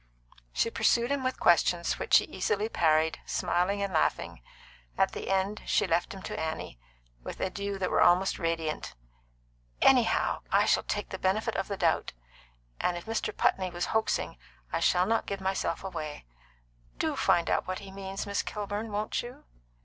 She pursued him with questions which he easily parried, smiling and laughing. At the end she left him to Annie, with adieux that were almost radiant. "Anyhow, I shall take the benefit of the doubt, and if Mr. Putney was hoaxing, I shall not give myself away. Do find out what he means, Miss Kilburn, won't you?"